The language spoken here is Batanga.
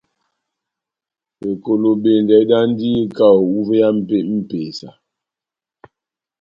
Ekolobendɛ edandi kaho uvé ya mepesa.